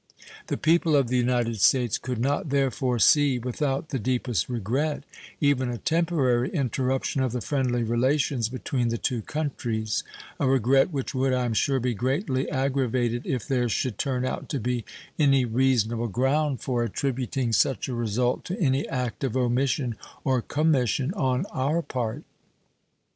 The people of the United States could not, therefore, see without the deepest regret even a temporary interruption of the friendly relations between the two countries a regret which would, I am sure, be greatly aggravated if there should turn out to be any reasonable ground for attributing such a result to any act of omission or commission on our part.